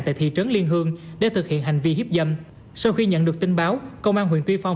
tại thị trấn liên hương để thực hiện hành vi hiếp dâm sau khi nhận được tin báo công an huyện tuy phong